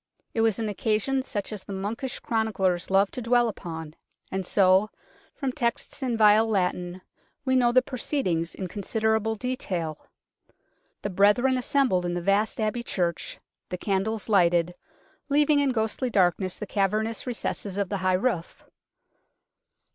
It was an occasion such as the monkish chroniclers loved to dwell upon, and so, from texts in vile Latin, we know the proceedings in considerable detail. The brethren assembled in the vast Abbey church, the candles lighted, leaving in ghostly darkness the cavernous recesses of the high roof.